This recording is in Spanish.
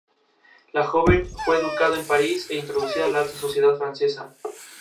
La joven fue educada en París e introducida en la alta sociedad francesa.